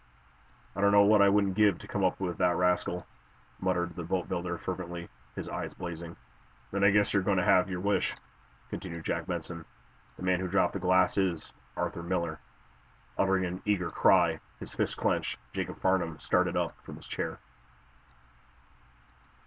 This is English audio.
"I don't know what I wouldn't give to come up with that rascal!" muttered the boatbuilder fervently, his eyes blazing. "Then I guess you're going to have your wish," continued Jack Benson. "The man who dropped the glass is Arthur Miller." Uttering an eager cry, his fists clenched, Jacob Farnum started up from his chair.